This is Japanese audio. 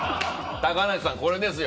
高梨さん、これですよ！